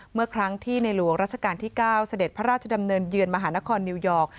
เมื่อครั้งที่ในหลวงราชการที่๙เสด็จพระราชดำเนินเยือนมหานครนิวยอร์ก